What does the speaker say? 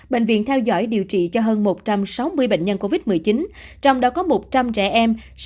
bệnh viện theo dõi điều trị cho hơn một trăm sáu mươi bệnh nhân covid một mươi chín trong đó có một trăm linh trẻ em